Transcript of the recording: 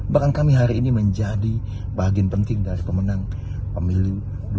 bahkan kami hari ini menjadi bagian penting dari pemenang pemilu dua ribu sembilan belas